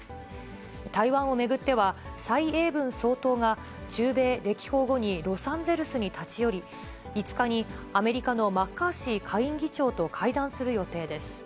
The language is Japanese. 台湾を巡っては、蔡英文総統が中米歴訪後にロサンゼルスに立ち寄り、５日にアメリカのマッカーシー下院議長と会談する予定です。